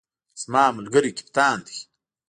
زما ملګری کپتان دی